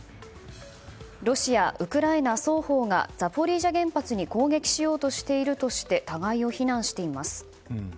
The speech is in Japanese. ロシア、ウクライナ双方がザポリージャ原発に攻撃しようとしているとして互いを非難しています。